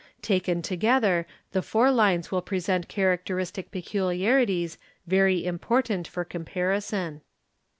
taken together the four lines will present 'characteristic peculiarities very important for comparison.